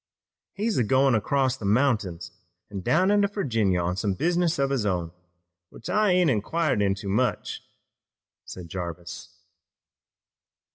"He's goin' across the mountains an' down into Virginia on some business of his own which I ain't inquired into much," said Jarvis.